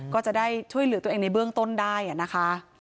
ก็จะได้ช่วยเหลือตัวเองในเบื้องต้นได้นะคะ